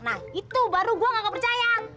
nah itu baru gue gak kepercayaan